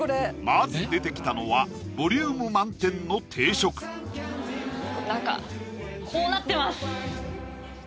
まず出てきたのはボリューム満点の定食中こうなってます！